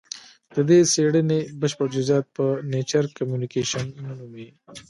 د دې څېړنې بشپړ جزیات په نېچر کمونیکشن نومې